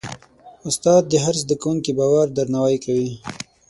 استاد د هر زده کوونکي باور درناوی کوي.